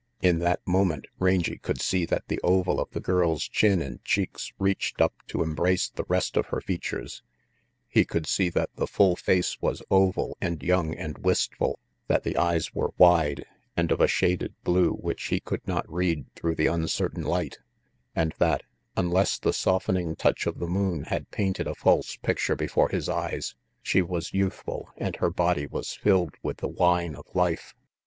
In that moment Rangy could see that the oval of the girl's chin and cheeks reached up to embrace the rest of her features; he could see that the full face was oval and young and wistful, that the eyes were wide and of a shaded blue which he could not read through the uncertain light, and that, unless the softening touch of the moon had painted a false picture before his eyes, she was youthful and her body was filled with the wine of life.